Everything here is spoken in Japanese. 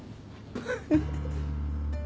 フフフ。